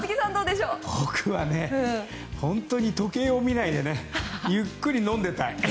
僕は時計を見ないでゆっくり飲んでいたい。